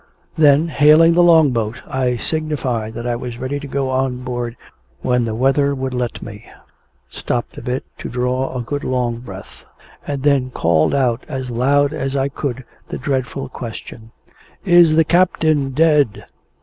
Then, hailing the Long boat, I signified that I was ready to go on board when the weather would let me stopped a bit to draw a good long breath and then called out as loud as I could the dreadful question: "Is the captain dead?"